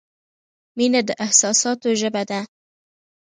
• مینه د احساساتو ژبه ده.